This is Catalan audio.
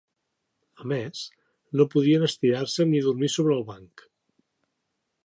A més, no podien estirar-se ni dormir sobre el banc.